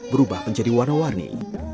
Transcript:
berubah menjadi warna warni